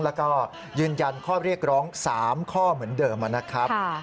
แล้วก็ยืนยันข้อเรียกร้อง๓ข้อเหมือนเดิมนะครับ